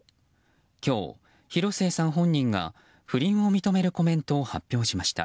今日、広末さん本人が不倫を認めるコメントを発表しました。